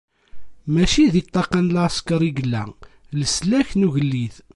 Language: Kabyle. Mačči di ṭṭaqa n lɛesker i yella leslak n ugellid.